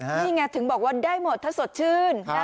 นี่ไงถึงบอกว่าได้หมดถ้าสดชื่น